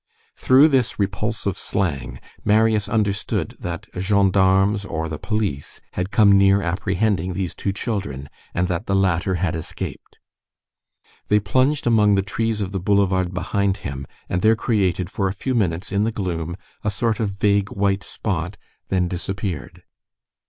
Through this repulsive slang, Marius understood that gendarmes or the police had come near apprehending these two children, and that the latter had escaped. They plunged among the trees of the boulevard behind him, and there created, for a few minutes, in the gloom, a sort of vague white spot, then disappeared.